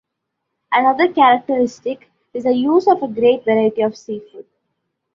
Another characteristic is the use of a great variety of seafood.